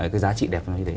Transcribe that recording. cái giá trị đẹp như thế